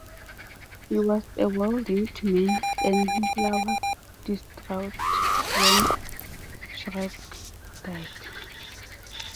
He was a well-liked man and Hitler was distraught when Schreck died.